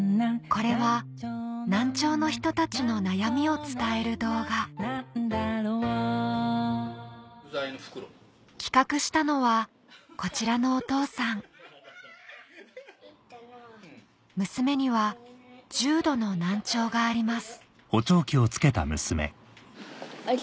これは難聴の人たちの悩みを伝える動画企画したのはこちらのお父さん娘にはがあります